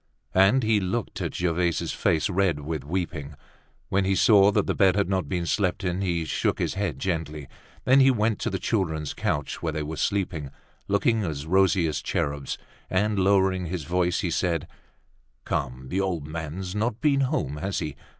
And he looked at Gervaise's face, red with weeping. When he saw that the bed had not been slept in, he shook his head gently; then he went to the children's couch where they were sleeping, looking as rosy as cherubs, and, lowering his voice, he said, "Come, the old man's not been home, has he?